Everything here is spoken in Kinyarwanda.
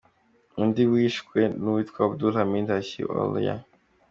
Undi wishwe, ni uwitwa Abdul Hamid Hashi Olhayi.